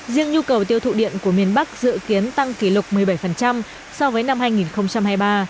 riêng nhu cầu tiêu thụ điện của miền bắc dự kiến tăng kỷ lục một mươi bảy so với năm hai nghìn hai mươi ba